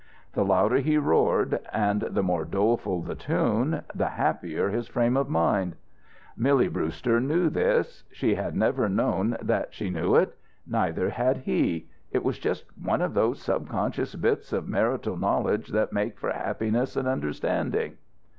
The louder he roared, and the more doleful the tune, the happier his frame of mind. Milly Brewster knew this. She had never known that she knew it. Neither had he. It was just one of those subconscious bits of marital knowledge that make for happiness and understanding.